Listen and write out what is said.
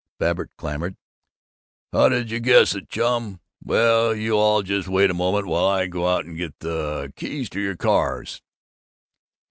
Babbitt clamored, "How did you guess it, Chum? Well, you all just wait a moment while I go out and get the keys to your cars!"